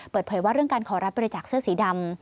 เปิดเผยว่าเรื่องการขอรับบริจาคเสื้อสีดำ